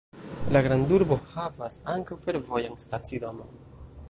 La grandurbo havas ankaŭ fervojan stacidomon.